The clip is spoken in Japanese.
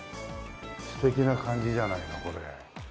素敵な感じじゃないのこれ。